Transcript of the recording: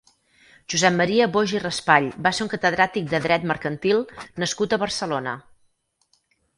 Josep Maria Boix i Raspall va ser un catedràtic de Dret Mercantil nascut a Barcelona.